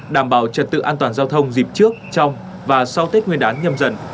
đảm bảo trật tự an toàn giao thông dịp trước trong và sau tết nguyên đán nhâm dần